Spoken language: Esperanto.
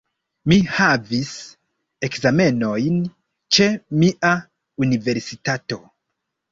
Mi havis ekzamenojn ĉe mia universitato.